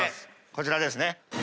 こちらですね。